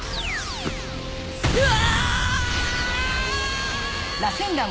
うわ！！